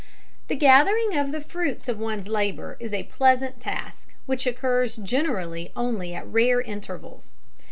] The gathering of the fruits of one's labour is a pleasant task, which occurs generally only at rare intervals.